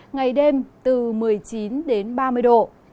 ngày đêm từ một mươi chín đến ba mươi độ